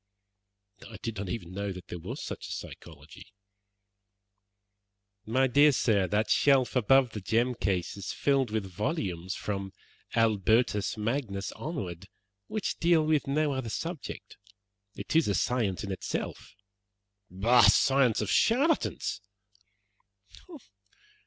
"I did not even know that there was such a psychology." "My dear sir, that shelf above the gem case is filled with volumes, from Albertus Magnus onward, which deal with no other subject. It is a science in itself." "A science of charlatans!"